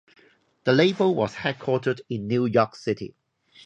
The label was headquartered in New York City.